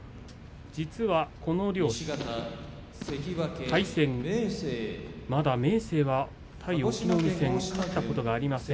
この両者の対戦まだ明生は対隠岐の海戦勝ったことがありません。